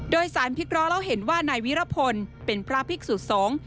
โดยสารพิกร้อเราเห็นว่านายวิรพลเป็นพระพิกษุสงฆ์